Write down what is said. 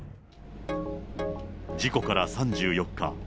事故から３４日。